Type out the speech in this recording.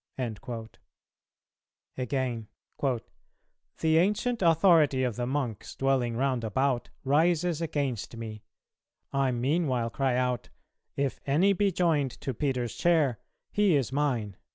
"[283:1] Again, "The ancient authority of the monks, dwelling round about, rises against me; I meanwhile cry out, If any be joined to Peter's chair he is mine."